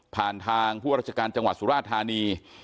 ทางผู้ราชการจังหวัดสุราธานี